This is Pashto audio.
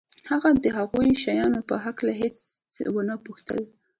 هغه د هغو شیانو په هکله هېڅ ونه پوښتل